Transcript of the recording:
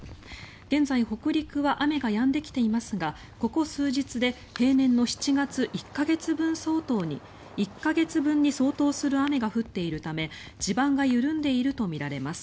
現在、北陸は雨がやんできていますがここ数日で平年の７月１か月分に相当する雨が降っているため地盤が緩んでいるとみられます。